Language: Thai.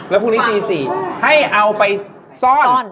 แล้วพรุ่งนี้ตี๔ให้เอาไปซ่อน